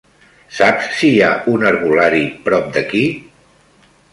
Saps si hi ha un herbolari prop d'aquí?